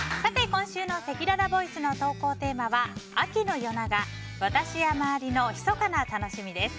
今週のせきららボイスの投稿テーマは秋の夜長私や周りのひそかな楽しみです。